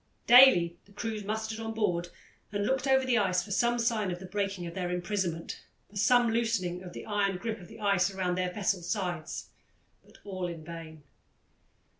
Daily the crews mustered on board and looked over the ice for some sign of the breaking of their imprisonment, for some loosening of the iron grip of the ice round their vessel's sides, but all in vain.